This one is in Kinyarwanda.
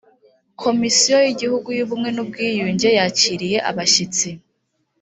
komisiyo y ‘igihugu y ‘ubumwe n ‘ubwiyunge yakiriye abashyitsi.